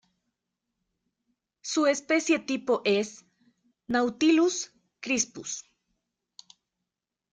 Su especie tipo es "Nautilus crispus".